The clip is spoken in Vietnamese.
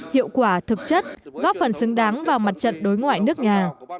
hiệu quả thực chất góp phần xứng đáng vào mặt trận đối ngoại nước nhà